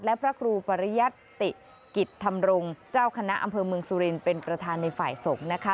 และพระครูปริยัตติกิจธรรมรงค์เจ้าคณะอำเภอเมืองสุรินเป็นประธานในฝ่ายสงฆ์นะคะ